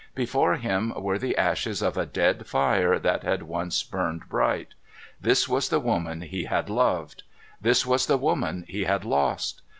Before him were the ashes of a dead fire that had once burned bright. This was the woman he had loved. This was the woman he had lost.